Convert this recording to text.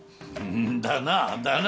だなだな。